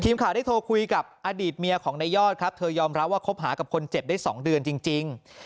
ทีมข่าวได้โทรคุยกับอดีตเมียของนายยอดครับเธอยอมรับว่าคบหากับคนเจ็บได้๒เดือนจริง